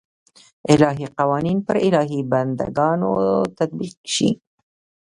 الهي قوانین پر الهي بنده ګانو تطبیق شي.